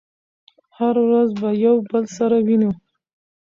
هره ورځ به يو بل سره وينو